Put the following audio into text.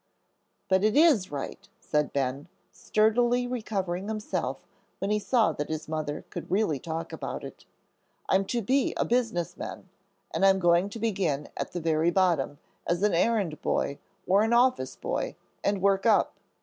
"But it is right," said Ben, sturdily recovering himself when he saw that his mother could really talk about it. "I'm to be a business man, and I'm going to begin at the very bottom, as an errand boy, or an office boy, and work up."